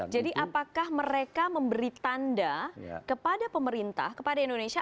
jadi apakah mereka memberi tanda kepada pemerintah kepada indonesia